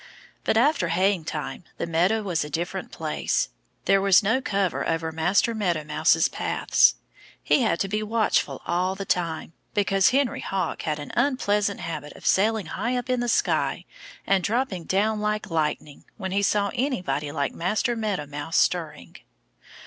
But after haying time the meadow was a different place. There was no cover over Master Meadow Mouse's paths. He had to be watchful all the time, because Henry Hawk had an unpleasant habit of sailing high up in the sky and dropping down like lightning when he saw anybody like Master Meadow Mouse stirring.